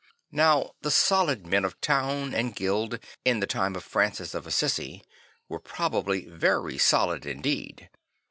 N ow the solid men of town and guild in the time of Francis of Assisi were probably very solid indeed.